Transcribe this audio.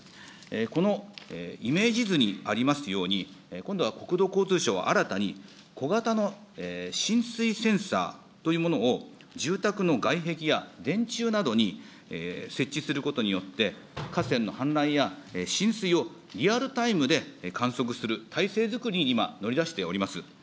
このイメージ図にありますように、今度は国土交通省が新たに小型の浸水センサーというものを住宅の外壁や電柱などに設置することによって、河川の氾濫や浸水をリアルタイムで観測する体制作りに今、乗り出しております。